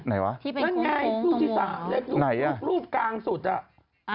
ไหนวะนั่นไงรูปที่สามรูปกลางสุดตรงหัว